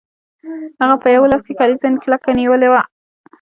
هغه په یو لاس کې کلیزه کلکه نیولې وه